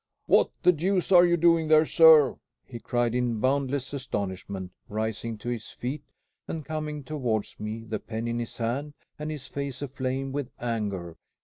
"What the deuce are you doing there, sir?" he cried in boundless astonishment, rising to his feet and coming towards me, the pen in his hand and his face aflame with anger.